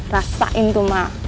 rasain tuh ma